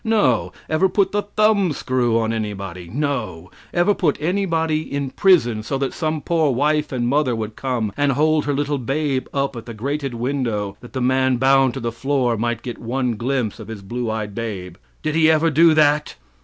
No. Ever put the thumb screw on anybody? No. Ever put anybody in prison so that some poor wife and mother would come and hold her little babe up at the grated window that the man bound to the floor might get one glimpse of his blue eyed babe? Did he ever do that?"